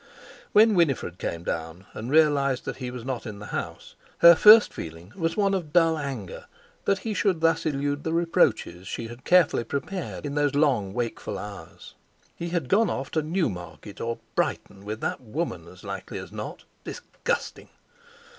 When Winifred came down, and realised that he was not in the house, her first feeling was one of dull anger that he should thus elude the reproaches she had carefully prepared in those long wakeful hours. He had gone off to Newmarket or Brighton, with that woman as likely as not. Disgusting!